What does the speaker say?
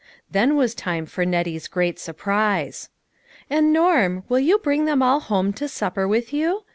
Then was time for Nettie's great surprise. " And, Norm, will you bring them all home to supper with you?